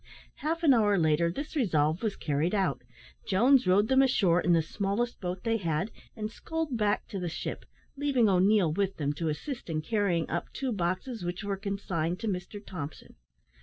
Half an hour later this resolve was carried out. Jones rowed them ashore in the smallest boat they had, and sculled back to the ship, leaving O'Neil with them to assist in carrying up two boxes which were consigned to Mr Thompson.